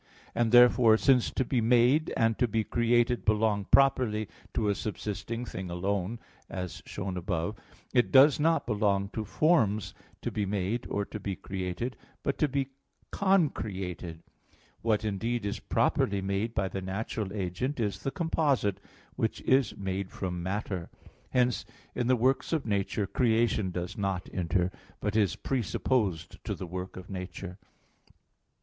And therefore, since to be made and to be created belong properly to a subsisting thing alone, as shown above (A. 4), it does not belong to forms to be made or to be created, but to be "concreated." What, indeed, is properly made by the natural agent is the "composite," which is made from matter. Hence in the works of nature creation does not enter, but is presupposed to the work of nature.